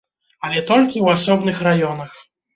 Але толькі ў асобных раёнах.